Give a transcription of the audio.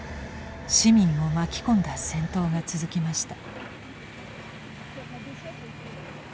市民を巻き込んだ戦闘が続きました。